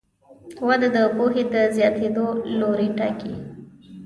وده د پوهې د زیاتېدو لوری ټاکي.